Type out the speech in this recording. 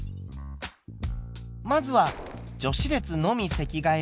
まずは女子列のみ席替えを考えます。